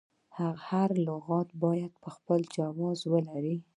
هر لغت باید خپل جواز ولري.